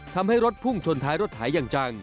ทำให้รถพุ่งชนท้ายรถหายอย่างจัง